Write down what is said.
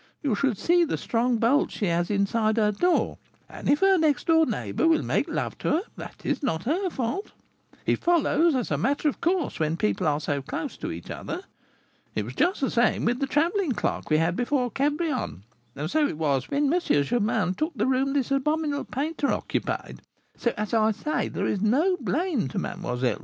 You should see the strong bolts she has inside her door; and if her next door neighbour will make love to her, that is not her fault; it follows as a matter of course when people are so close to each other. It was just the same with the travelling clerk we had here before Cabrion, and so it was when M. Germain took the room this abominable painter occupied. So, as I say, there is no blame to Mlle.